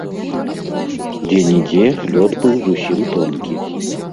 Дзе-нідзе лёд быў зусім тонкі.